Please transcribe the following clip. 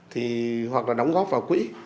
hoặc là đóng góp vào quỹ